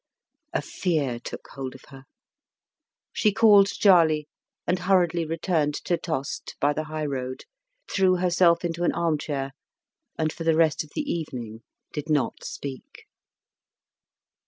A fear took hold of her; she called Djali, and hurriedly returned to Tostes by the high road, threw herself into an armchair, and for the rest of the evening did not speak.